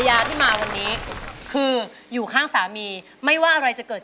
เพลงที่๙มีมูลค่า๕แสนบาทนะครับ